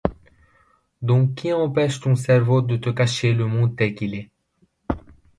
Donc qui empêche ton cerveau de te cacher le monde tel qu’il est.